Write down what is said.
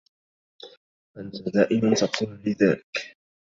أنت دائما تقول لي ذلك.